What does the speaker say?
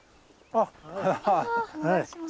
あお願いします。